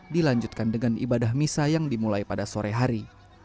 dilanjutkan dengan ibadah misa yang dimulai pada sore hari